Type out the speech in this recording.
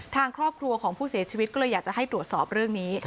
ทางครอบครัวของผู้เสียชีวิตก็เลยอยากจะให้ตรวจสอบเรื่องนี้